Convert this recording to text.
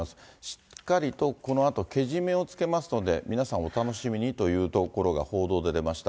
しっかりとこのあとけじめをつけますので、皆さん、お楽しみにというところが報道で出ました。